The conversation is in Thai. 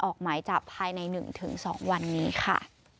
ออกหมายจับภายใน๑๒วันนี้ค่ะ